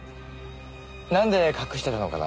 なんで隠してたのかな？